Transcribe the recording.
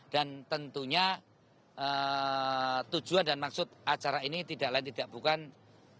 dan tentunya tujuan dan maksud acara ini tidak lain tidak bukan adalah